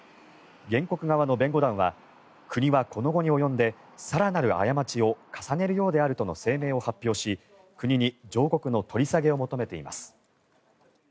原告側の弁護団は国はこの期に及んで更なる過ちを重ねるようであるとの声明を発表し国に上告の取り下げを求めています。